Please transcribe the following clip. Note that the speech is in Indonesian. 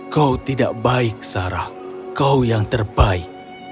kau tidak baik sarah kau yang terbaik